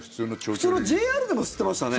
普通のＪＲでも吸ってましたね。